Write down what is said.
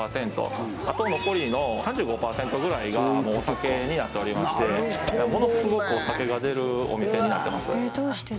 あと残りの３５％ぐらいがお酒になっておりましてものすごくお酒が出るお店になってます